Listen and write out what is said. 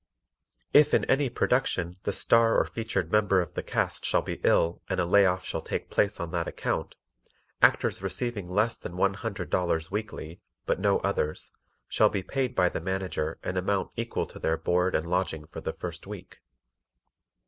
If in any production the star or featured member of the cast shall be ill and a lay off shall take place on that account, Actors receiving less than $100.00 weekly (but no others) shall be paid by the Manager an amount equal to their board and lodging for the first week.